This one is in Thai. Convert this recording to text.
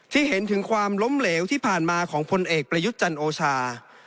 เห็นถึงความล้มเหลวที่ผ่านมาของพลเอกประยุทธ์จันโอชา